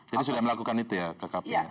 jadi sudah melakukan itu ya kkp